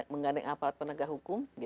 mengganding aparat penegak hukum